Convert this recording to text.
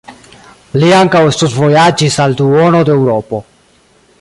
Li ankaŭ studvojaĝis al duono de Eŭropo.